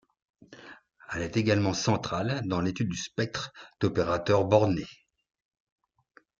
Elle est également centrale dans l'étude du spectre d'opérateurs bornés.